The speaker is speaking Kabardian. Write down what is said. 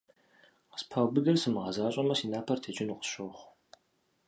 Къыспаубыдыр сымыгъэзащӀэмэ, си напэр текӀыну къысщохъу.